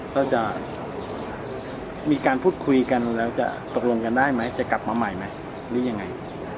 ก็จะมีการพูดคุยกันแล้วจะตกลงกันได้ไหมจะกลับมาใหม่ไหมหรือยังไง